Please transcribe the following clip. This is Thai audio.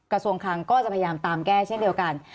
กระทรวงคลังก็จะพยายามตามแก้เช่นเดียวกัน